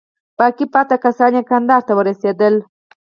باقي پاته کسان یې کندهار ته ورسېدل.